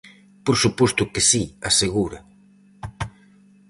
"Por suposto que si", asegura.